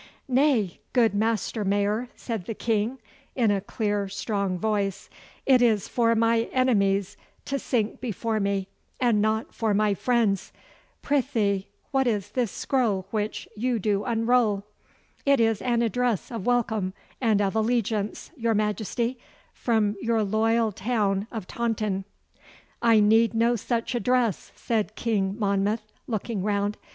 'Nay, good Master Mayor,' said the King, in a clear, strong voice, 'it is for my enemies to sink before me, and not for my friends. Prythee, what is this scroll which you do unroll?' 'It is an address of welcome and of allegiance, your Majesty, from your loyal town of Taunton.' 'I need no such address,' said King Monmouth, looking round.